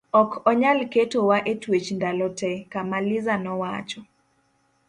ok onyal keto wa e twech ndalo te, Kamaliza nowacho